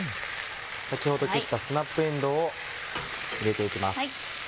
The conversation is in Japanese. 先ほど切ったスナップえんどうを入れていきます。